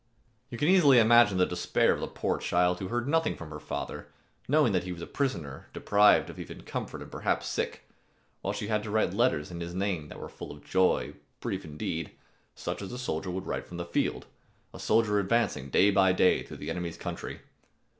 You can easily imagine the despair of the poor child who heard nothing from her father, knowing that he was a prisoner, deprived of even comfort and perhaps sick, while she had to write letters in his name that were full of joy, brief indeed, such as a soldier would write from the field, a soldier advancing day by day through the enemy's country.